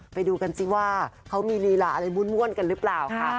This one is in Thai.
ไปดูกันสิว่าเขามีลีลาอะไรม่วนกันหรือเปล่าค่ะ